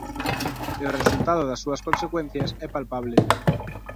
E o resultado das súas consecuencias é palpable.